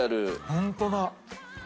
ホントだ。